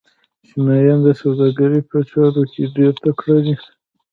چینایان د سوداګرۍ په چارو کې ډېر تکړه دي.